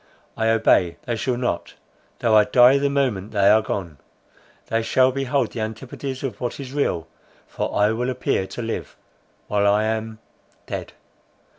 I obey; they shall not, though I die the moment they are gone. They shall behold the antipodes of what is real—for I will appear to live—while I am—dead."